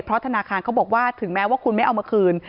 เพราะธนาคารเขาบอกว่าถึงแม้ว่าคุณไม่เอามาคืน